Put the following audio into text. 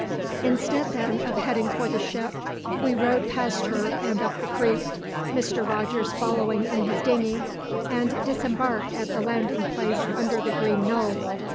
Instead, then, of heading for the ship, we rowed past her and up the creek Mr. Rogers following in his dinghy and disembarked at the landing place under the green knoll.